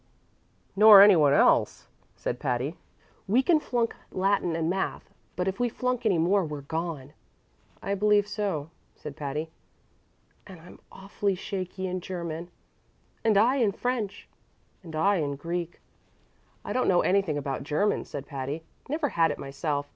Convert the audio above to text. "Nor any one else," said Patty. "We can flunk Latin and math; but if we flunk any more we're gone." "I believe so," said Patty. "And I'm awfully shaky in German." "And I in French." "And I in Greek." "I don't know anything about German," said Patty. "Never had it myself.